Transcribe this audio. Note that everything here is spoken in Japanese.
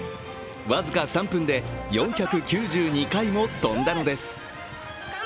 僅か３分で４９２回も跳んだのです。